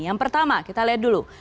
yang pertama kita lihat dulu